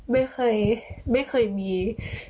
ไม่เคยไม่เคยมี